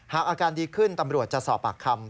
อาการดีขึ้นตำรวจจะสอบปากคำ